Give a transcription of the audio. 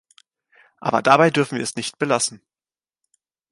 Aber dabei dürfen wir es nicht belassen.